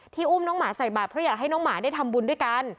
อุ้มน้องหมาใส่บาทเพราะอยากให้น้องหมาได้ทำบุญด้วยกัน